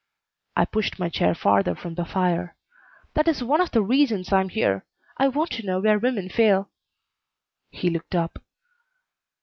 I pushed my chair farther from the fire. "That is one of the reasons I am here. I want to know where women fail." He looked up.